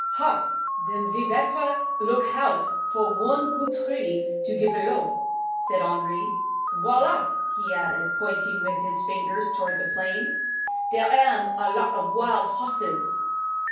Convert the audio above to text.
"Ha! den ve better look hout for one goot tree to get b'low," suggested Henri. "Voilà!" he added, pointing with his finger towards the plain; "dere am a lot of wild hosses."